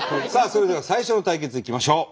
それでは最初の対決いきましょう！